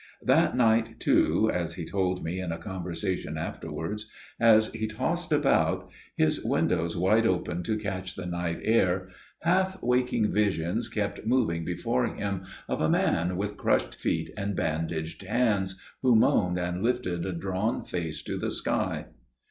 That night too, as he told me in a conversation afterwards, as he tossed about, his windows wide open to catch the night air, half waking visions kept moving before him of a man with crushed feet and bandaged hands, who moaned and lifted a drawn face to the sky.